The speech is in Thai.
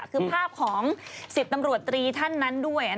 คือภาพของ๑๐ตำรวจตรีท่านนั้นด้วย